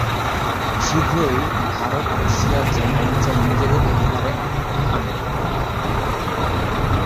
শীঘ্রই ভারত সিয়াচেন অঞ্চল নিজেদের অধিকারে আনে।